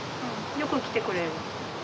よく来てくれる。